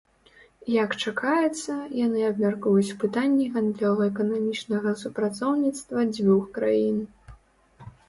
Як чакаецца, яны абмяркуюць пытанні гандлёва-эканамічнага супрацоўніцтва дзвюх краін.